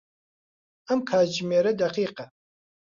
ئەم کاتژمێرە دەقیقە.